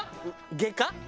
外科。